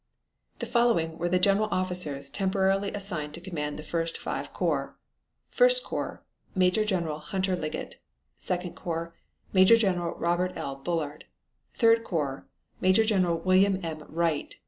The following were the general officers temporarily assigned to command the first five corps: First corps Major General Hunter Liggett. Second corps Major General Robert L. Bullard Third corps Major General William M. Wright.